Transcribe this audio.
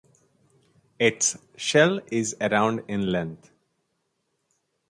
Its shell is around in length.